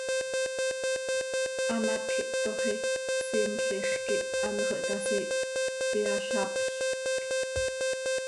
Hamatj ihptooxi, siml ix quih anxö ihtasi, hpyazaplc.